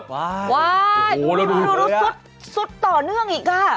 ว้าวดูดูดูดูสุดต่อเนื่องอีกค่ะ